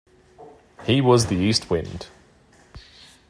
He was the east wind.